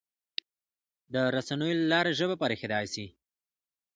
د رسنیو له لارې ژبه پراخېدای سي.